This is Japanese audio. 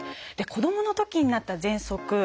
子どものときになったぜんそく。